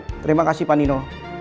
terima kasih pak nino